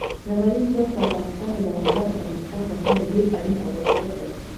لمریز ځواک د افغانستان د دوامداره پرمختګ لپاره ډېر اړین او ګټور دی.